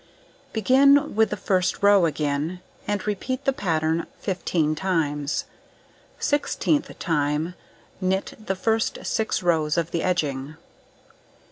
Begin with the first row again, and repeat the pattern 15 times; 16th time, knit the first 6 rows of the edging.